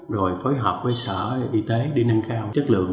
rồi phối hợp với sở y tế để nâng cao chất lượng